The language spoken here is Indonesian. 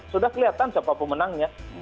sudah kelihatan siapa pemenangnya